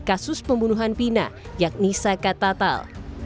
kasus pembunuhan vina yakni saka tatal